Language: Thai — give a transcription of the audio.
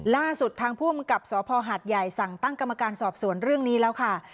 ล่าสุดทางผู้อำกับสภหัดใหญ่สั่งตั้งกรรมการสอบสวนเรื่องนี้แล้วค่ะ